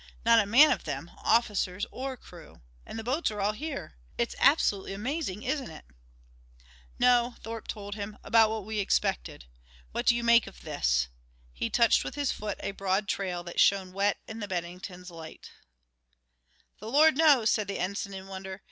Not a man of them, officers or crew, and the boats are all here. It's absolutely amazing, isn't it?" "No," Thorpe told him, "about what we expected. What do you make of this?" He touched with his foot a broad trail that shone wet in the Bennington's lights. "The Lord knows," said the ensign in wonder.